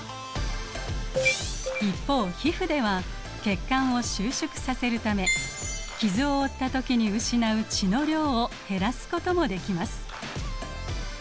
一方皮膚では血管を収縮させるため傷を負った時に失う血の量を減らすこともできます。